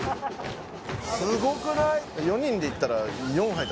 すごくない？